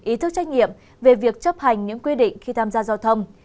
ý thức trách nhiệm về việc chấp hành những quy định khi tham gia giao thông